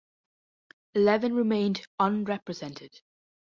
Eleven remained unrepresented.